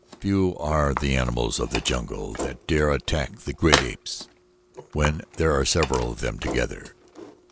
Few are the animals of the jungle that dare attack the great apes when there are several of them together.